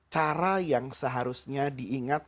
cara yang seharusnya diingat